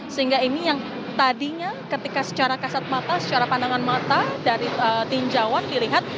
sehingga ini yang tadinya ketika secara kasat mata secara pandangan mata dari tinjauan dilihat